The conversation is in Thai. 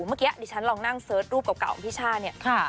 เมื่อกี้ดิฉันลองนั่งเสิร์ชรูปเก่าของพี่ช่าเนี่ย